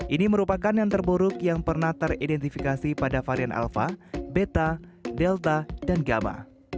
ini merupakan yang terburuk yang pernah teridentifikasi pada varian alpha beta delta dan gamma